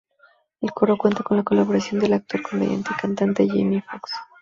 El coro cuenta con la colaboración del actor, comediante y cantante Jamie Foxx.